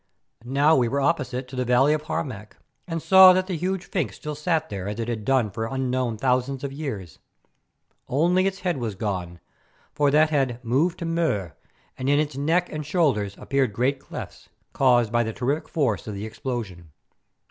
Now we were opposite to the valley of Harmac, and saw that the huge sphinx still sat there as it had done for unknown thousands of years. Only its head was gone, for that had "moved to Mur," and in its neck and shoulders appeared great clefts, caused by the terrific force of the explosion.